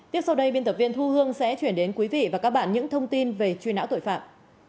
tiếp sau đây biên tập viên thu hương sẽ chuyển đến quý vị và các bạn những thông tin về truy nã tội phạm